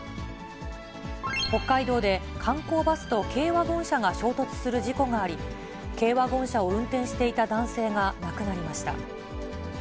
北海道で観光バスと軽ワゴン車が衝突する事故があり、軽ワゴン車を運転していた男性が亡くなりました。